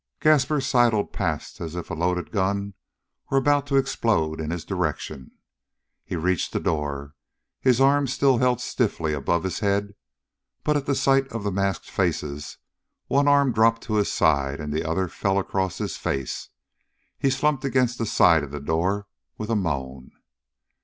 Gaspar sidled past as if a loaded gun were about to explode in his direction. He reached the door, his arms still held stiffly above his head, but, at the sight of the masked faces, one arm dropped to his side, and the other fell across his face. He slumped against the side of the door with a moan.